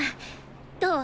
どう？